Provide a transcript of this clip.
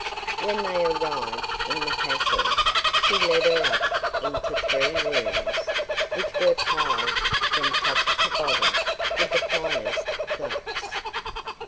When they arrived in the castle, she led her up into three rooms, which were piled from top to bottom with the finest flax.